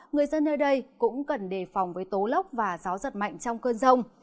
người dân nơi đây cũng cần đề phòng với tố lốc và gió giật mạnh trong cơn rông